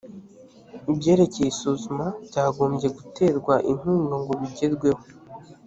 ibyerekeye isuzuma byagombye guterwa inkunga ngo bigerweho